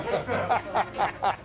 ハハハハッ。